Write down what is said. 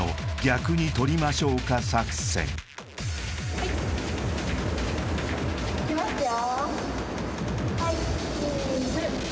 はいいきますよ